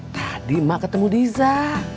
tadi emak ketemu diza